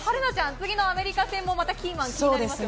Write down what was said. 次のアメリカ戦もまたキーマン気になりますね。